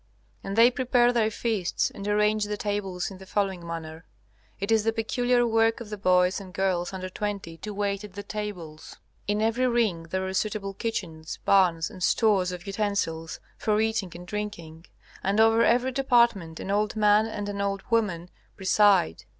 And they prepare their feasts and arrange the tables in the following manner. It is the peculiar work of the boys and girls under twenty to wait at the tables. In every ring there are suitable kitchens, barns, and stores of utensils for eating and drinking, and over every department an old man and an old woman preside.